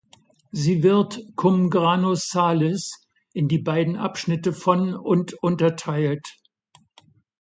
Sie wird "cum grano salis" in die beiden Abschnitte von und unterteilt.